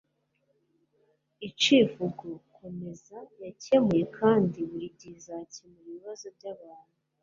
icivugo komeza! yakemuye kandi buri gihe izakemura ibibazo by'abantu